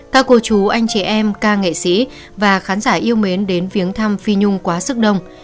các cô chú anh chị em ca nghệ sĩ và khán giả yêu mến đến viếng thăm phi nhung quá sức đông